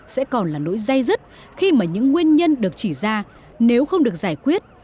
sẽ còn là nỗi dây dứt khi mà những nguyên nhân được chỉ ra nếu không được giải quyết